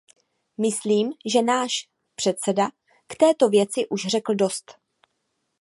Myslím, že náš předseda k této věci už řekl dost.